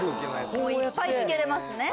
いっぱいつけれますね。